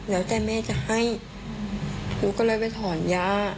แล้วแต่แม่จะให้หนูก็เลยไปถอนย่า